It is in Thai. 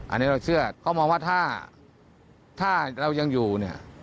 อันนี้เราเชื่อเขามองว่าถ้าเรายังอยู่เนี่ย